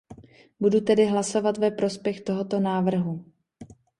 Budu tedy hlasovat ve prospěch tohoto návrhu.